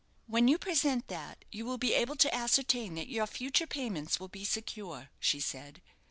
"When you present that, you will be able to ascertain that your future payments will be secure," she said.